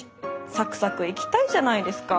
サクサク行きたいじゃないですか。